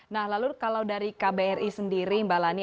nah lalu kalau dari kbri sendiri mbak lani